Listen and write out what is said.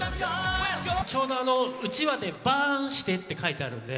ちょうどうちわでバーンしてって書いてあるんで。